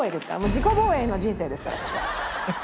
自己防衛の人生ですから私は。